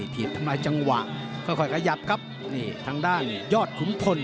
ผีดทำลายจังหวะค่อยกระหยับครับทางด้านยอดขุมทน